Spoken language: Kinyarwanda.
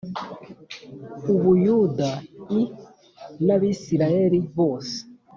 u Buyuda i n Abisirayeli bose